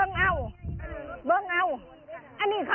วิ่งหนิ้วขาดมันหลดแดงสวนกัน